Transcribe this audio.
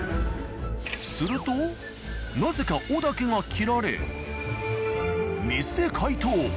するとなぜか尾だけが切られ水で解凍。